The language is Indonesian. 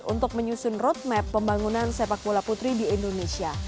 untuk menyusun roadmap pembangunan sepak bola putri di indonesia